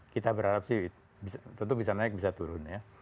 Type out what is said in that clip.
kita berharap sih tentu bisa naik bisa turun ya